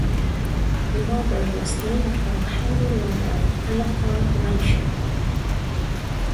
Lovell was named for Henry Lovell, a local rancher.